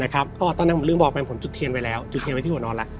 ก็ตอนนั้นผมลืมบอกไปผมจุดเทียนไว้แล้วจุดเทียนไว้ที่หัวนอนแล้ว